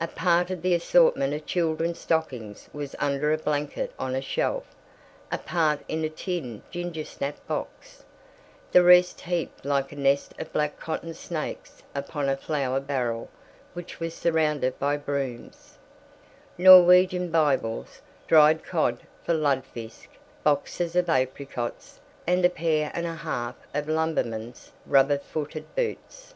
A part of the assortment of children's stockings was under a blanket on a shelf, a part in a tin ginger snap box, the rest heaped like a nest of black cotton snakes upon a flour barrel which was surrounded by brooms, Norwegian Bibles, dried cod for ludfisk, boxes of apricots, and a pair and a half of lumbermen's rubber footed boots.